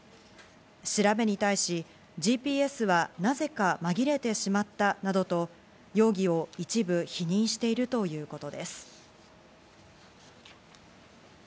調べに対し、ＧＰＳはなぜか紛れてしまったなどと、容疑を一部否認しているということです。